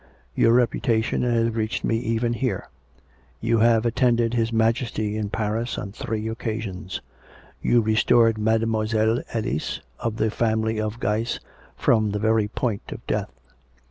Your reputa tion has reached me even here; you have attended His Majesty in Paris on three occasions; you restored Made moiselle Elise, of the family of Guise, from the very point of death.